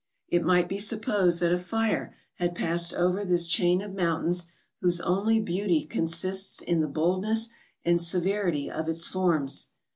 It might be supposed that a fire had passed over this chain of mountains whose only beauty consists 186 MOUNTAIN ADVENTURES. in the boldness and severity of its forms.